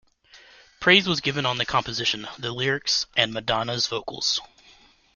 Praise was given on the composition, the lyrics and Madonna's vocals.